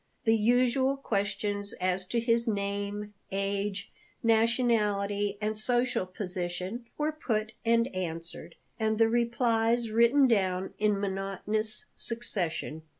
The usual questions as to his name, age, nationality, and social position were put and answered, and the replies written down in monotonous succession.